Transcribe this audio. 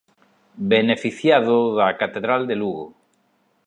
Beneficiado da catedral de Lugo.